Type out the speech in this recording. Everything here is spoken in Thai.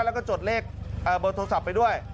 แล้วก็จดเลขเบอร์โทรศัพท์ไปด้วย